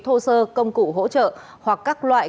hồ sơ công cụ hỗ trợ hoặc các loại